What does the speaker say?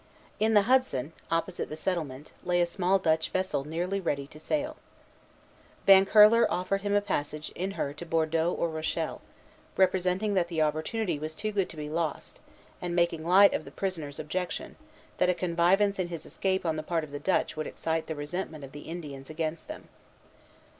In the Hudson, opposite the settlement, lay a small Dutch vessel nearly ready to sail. Van Curler offered him a passage in her to Bordeaux or Rochelle, representing that the opportunity was too good to be lost, and making light of the prisoner's objection, that a connivance in his escape on the part of the Dutch would excite the resentment of the Indians against them.